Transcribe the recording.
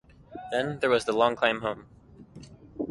Then there was the long climb home.